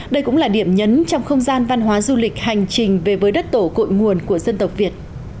đây cũng là điểm nhấn trong không gian văn hóa du lịch hành trình về với đất tổ cội nguồn của dân tộc việt